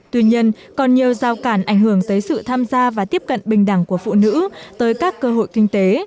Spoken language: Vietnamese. tuy nhiên còn nhiều giao cản ảnh hưởng tới sự tham gia và tiếp cận bình đẳng của phụ nữ tới các cơ hội kinh tế